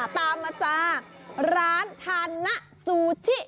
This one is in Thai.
ตามมาจ้าร้านทานนะซูชิ